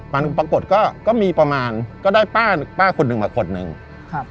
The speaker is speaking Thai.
มันปรากฏก็ก็มีประมาณก็ได้ป้าป้าคนหนึ่งมาคนหนึ่งครับ